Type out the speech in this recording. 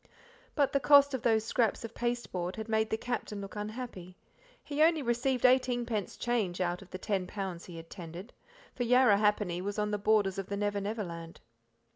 But the cost of those scraps of pasteboard had made the Captain look unhappy: he only received eighteenpence change out of the ten pounds he had tendered; for Yarrahappini was on the borders of the Never Never Land.